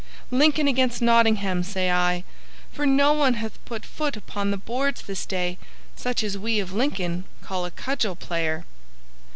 Lincoln against Nottingham, say I! For no one hath put foot upon the boards this day such as we of Lincoln call a cudgel player."